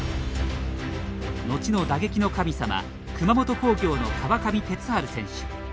後の打撃の神様熊本工業の川上哲治選手。